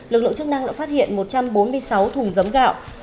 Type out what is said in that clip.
lực lượng chức năng đã phát hiện một trăm bốn mươi sáu thùng giống gạo